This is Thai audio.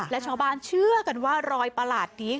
และชาวบ้านเชื่อกันว่ารอยประหลาดนี้